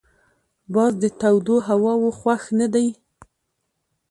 باز د تودو هواوو خوښ نه دی